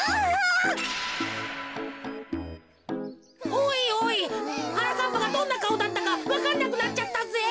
おいおいはなかっぱがどんなかおだったかわかんなくなっちゃったぜ。